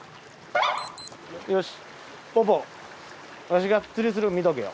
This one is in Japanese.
よしポポワシが釣りするん見とけよ。